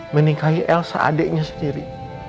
meningkahi elsa adiknya sendiri